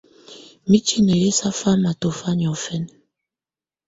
Mitini yɛ̀ sà famà tɔ̀fa niɔ̀fɛnɛ.